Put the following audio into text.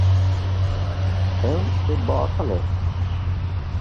Ew ê bialiqe.